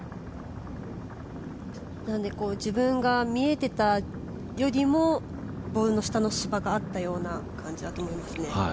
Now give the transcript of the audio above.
なので自分が見えてたよりもボールの下の芝があった感じですね。